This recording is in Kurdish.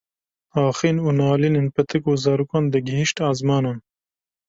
axîn û nalînên pitik û zarokan digihîşt ezmanan